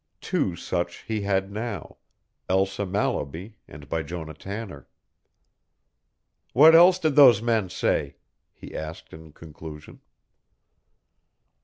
Two such he had now: Elsa Mallaby and Bijonah Tanner. "What else did those men say?" he asked in conclusion.